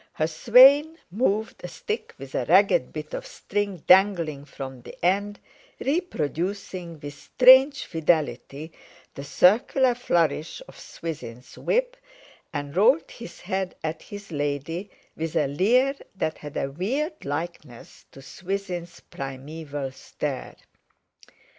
Her swain moved a stick with a ragged bit of string dangling from the end, reproducing with strange fidelity the circular flourish of Swithin's whip, and rolled his head at his lady with a leer that had a weird likeness to Swithin's primeval stare.